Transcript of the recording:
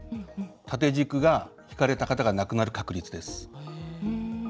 縦軸がひかれた方が亡くなる確率です。